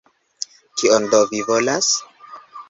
Kion do vi volas?